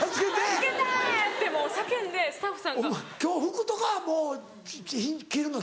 助けて‼ってもう叫んでスタッフさんが。お前今日服とかもう着れるの？